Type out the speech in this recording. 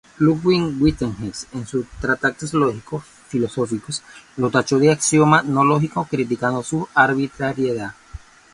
Ludwig Wittgenstein, en su Tractatus Logico-Philosophicus, lo tachó de "axioma no-lógico", criticando su arbitrariedad.